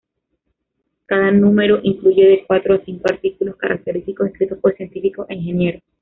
Cada número incluye de cuatro a cinco artículos característicos escritos por científicos e ingenieros.